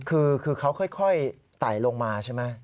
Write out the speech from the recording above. คือเขาค่อยไต่ลงมาใช่ไหม